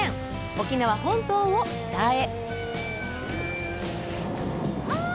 沖縄本島を北へ。